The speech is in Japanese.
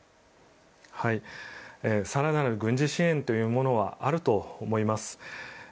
更なる軍事支援というものはあると思います。